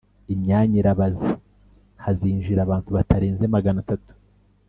imyanya irabaze hazinjira abantu batarenze magana atatu